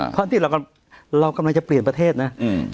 เพราะที่เรากำลังเรากำลังจะเปลี่ยนประเทศน่ะอืม